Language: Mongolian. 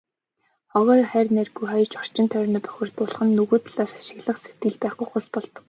Хогоо хайр найргүй хаяж, орчин тойрноо бохирдуулах нь нөгөө талаас ашиглах сэтгэл байхгүйгээс болдог.